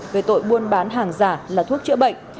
về tội buôn bán hàng giả là thuốc chữa bệnh